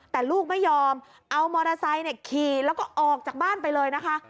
แต่ลูกไม่ยอมเอามอเตอร์ไซค์ขี่แล้วก็ออกจากบ้านไปเลยนะคะ